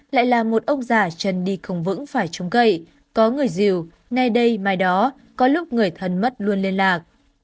lại là một ông già chân đi không vững phải trống cây có người rìu nay đây mai đó có lúc người thân mất luôn liên lạc